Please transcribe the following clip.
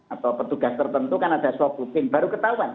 atau petugas tertentu kan ada swap rutin baru ketahuan